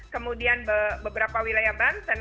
kemudian beberapa wilayah banten